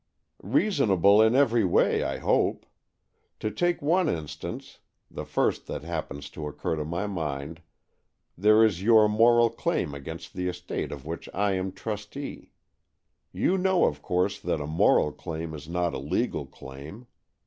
"Reasonable in every way, I hope. To take one instance — the first that happens to occur to my mind — there is your moral claim against the estate of which I am trustee. You know, of course, that a moral claim is not a legal claim.